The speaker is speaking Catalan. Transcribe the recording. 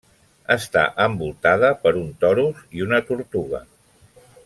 Està envoltada per un torus i una tortuga.